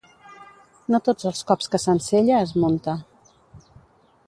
No tots els cops que s'ensella es munta.